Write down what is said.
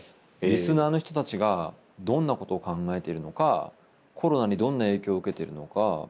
リスナーの人たちがどんなことを考えてるのかコロナにどんな影響を受けてるのか。